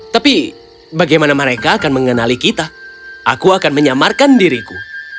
tapi bagaimana mereka akan mengenali kita aku akan menyamarkan diriku